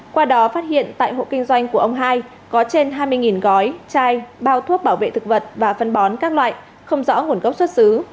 qua đó phát hiện tại hộ kinh doanh của ông hai có trên hai mươi gói chai bao thuốc bảo vệ thực vật và phân bón các loại không rõ nguồn gốc xuất xứ